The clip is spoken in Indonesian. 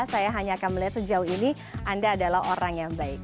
saya hanya akan melihat sejauh ini anda adalah orang yang baik